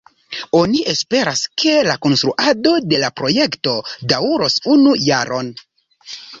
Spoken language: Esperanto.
Oni esperas, ke la konstruado de la projekto daŭros unu jaron.